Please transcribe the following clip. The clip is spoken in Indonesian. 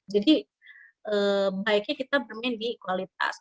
jadi baiknya kita bermain di kualitas